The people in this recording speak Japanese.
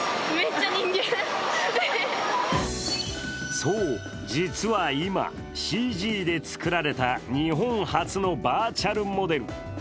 そう、実はｉｍｍａ、ＣＧで作られた日本初のバーチャルモデル。